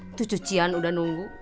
itu cucian udah nunggu